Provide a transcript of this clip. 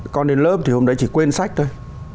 con đến lớp thì hôm đấy chỉ quên sách thôi